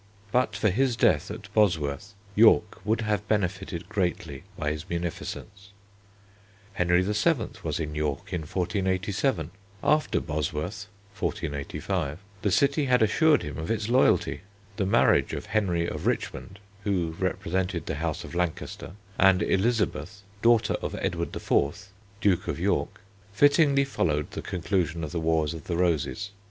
But for his death at Bosworth, York would have benefited greatly by his munificence. Henry VII. was in York in 1487. After Bosworth (1485) the city had assured him of its loyalty. The marriage of Henry of Richmond, who represented the House of Lancaster, and Elizabeth, daughter of Edward IV. Duke of York, fittingly followed the conclusion of the Wars of the Roses.